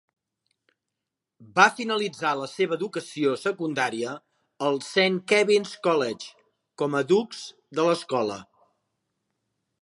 Va finalitzar la seva educació secundaria al Saint Kevin's College com a dux de l'escola.